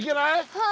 はい。